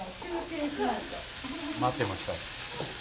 待ってました。